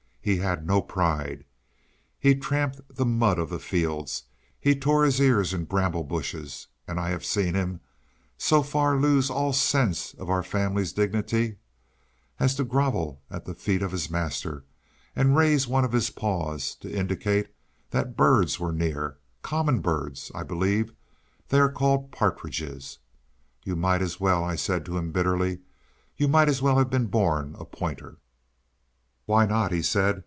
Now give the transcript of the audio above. He had no pride. He tramped the mud of the fields; he tore his ears in bramble bushes; and I have seen him so far lose all sense of our family's dignity as to grovel at the feet of his master, and raise one of his paws, to indicate that birds were near common birds; I believe they are called partridges. "You might as well," I said to him bitterly "you might as well have been born a pointer." "Why not?" he said.